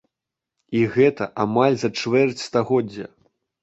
І гэта амаль за чвэрць стагоддзя!